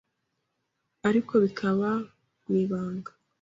ariko bikaba mu ibanga